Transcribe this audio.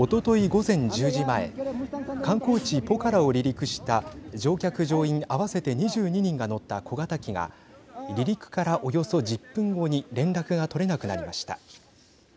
午前１０時前観光地ポカラを離陸した乗客、乗員合わせて２２人が乗った小型機が離陸からおよそ１０分後に連絡が取れなくなりました。